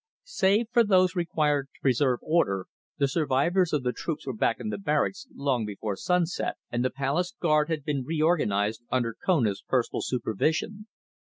Save for those required to preserve order, the survivors of the troops were back in barracks long before sunset, and the palace guard had been reorganised under Kona's personal supervision.